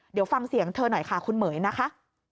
เดี๋ยวฟังเสียงเธอหน่อยค่ะคุณเหม๋ยนะคะ